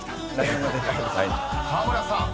［河村さん